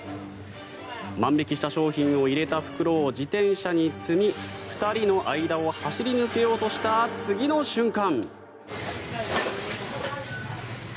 万引きした商品を入れた袋を自転車に積み２人の間を走り抜けようとした次の瞬間。